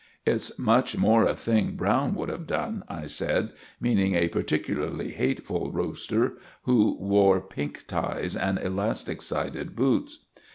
"It's much more a thing Browne would have done," I said, meaning a particularly hateful roaster who wore pink ties and elastic sided boots.